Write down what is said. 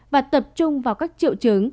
và tập trung vào các triệu chứng